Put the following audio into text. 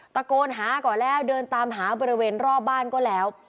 ตะโกนหาก่อนแล้วเดินตามหาบริเวณรอบบ้านก็แล้ว